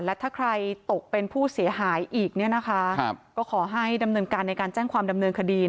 และถ้าใครตกเป็นผู้เสียหายอีกเนี่ยนะคะก็ขอให้ดำเนินการในการแจ้งความดำเนินคดี